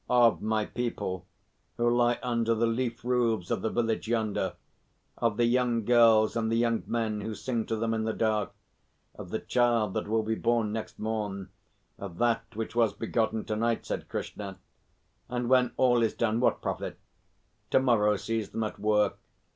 "Of my people who lie under the leaf roofs of the village yonder of the young girls, and the young men who sing to them in the dark of the child that will be born next morn of that which was begotten to night," said Krishna. "And when all is done, what profit? To morrow sees them at work.